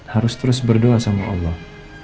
harus terus berdoa sama allah